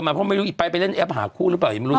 เพราะเราไม่รู้อีปข้าไปเล่นแอบหาคู่หรือเปล่า